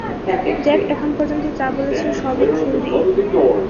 Jack, এখন পর্যন্ত যা বলেছ সবই থিউরী!